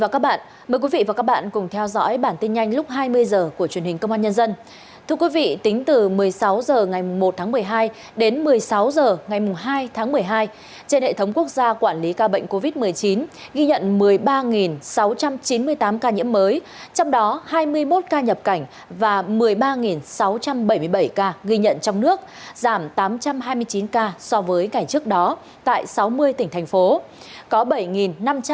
các bạn hãy đăng ký kênh để ủng hộ kênh của chúng mình nhé